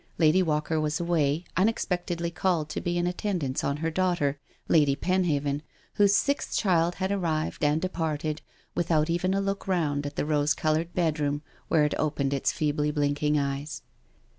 Lady Walker was away, unexpectedly called to be in attend ance on her daughter. Lady Penhaven, whose sixth child had arrived and departed, without even a look round at the rose coloured bedroom where it opened feebly blinking eyes.